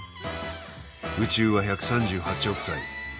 宇宙は１３８億歳。